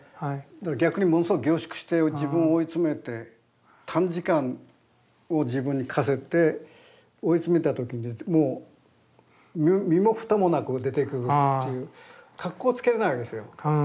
逆にものすごい凝縮して自分を追い詰めて短時間を自分に課せて追い詰めた時にもう身も蓋もなく出てくるっていうかっこつけれないわけですよ。